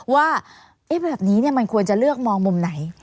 ว่าแบบนี้มันควรจะเลือกมองมุมไหน